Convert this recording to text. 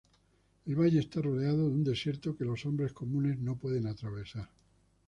El valle está rodeado de un desierto que los hombres comunes no pueden atravesar.